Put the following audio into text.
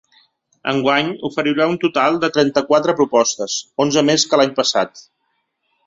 Enguany oferirà un total de trenta-quatre propostes, onze més que l’any passat.